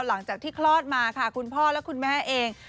หลังจากที่คลอดมาค่ะคุณพ่อและคุณแม่เอง